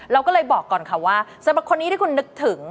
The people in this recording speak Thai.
เราก็เลยบอกก่อนค่ะว่าสำหรับคนนี้ที่คุณนึกถึง